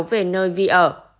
về nơi vi ở